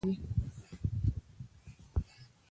دا اضافي پیسې د اضافي ارزښت په نوم یادېږي